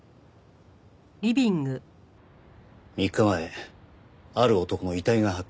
３日前ある男の遺体が発見されました。